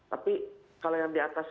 tapi kalau yang di atas